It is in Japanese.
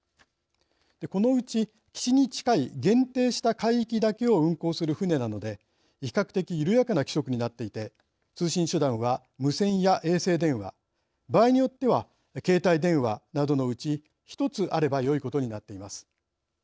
このうち岸に近い限定した海域だけを運航する船なので比較的緩やかな規則になっていて通信手段は無線や衛星電話場合によっては携帯電話などのうち１つあればよいことになっています。